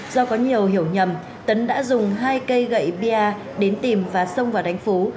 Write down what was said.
do có nhiều hiểu nhầm tấn đã dùng hai cây gậy bia đến tìm và xông vào đánh phú